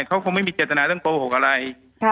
เขาคงไม่มีเจตนาเรื่องโกหกอะไร